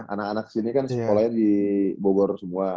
anak anak sini kan sekolahnya di bogor semua